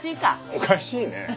おかしいね。